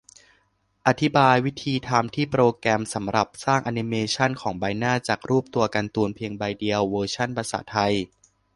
อธิบายวิธีทำที่ "โปรแกรมสำหรับสร้างอนิเมชันของใบหน้าจากรูปตัวการ์ตูนเพียงใบเดียว เวอร์ชันภาษาไทย"